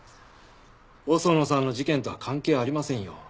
細野さんの事件とは関係ありませんよ。